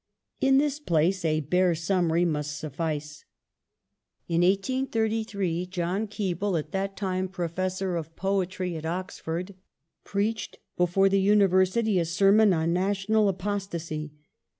^ In this place a bare summary must suffice. In 1833 John Keble, at that time Professor of Poetry at Oxford, preached before the University a sermon on '* National Apostasy